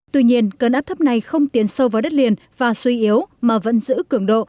tuy nhiên cơn áp thấp này không tiến sâu vào đất liền và suy yếu mà vẫn giữ cường độ